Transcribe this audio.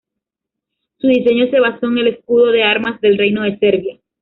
Su diseño se basó en el escudo de armas del Reino de Serbia.